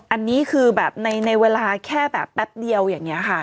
อันนี้คือแบบในเวลาแค่แบบแป๊บเดียวอย่างนี้ค่ะ